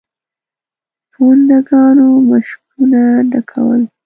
پونده ګانو مشکونه ډکول.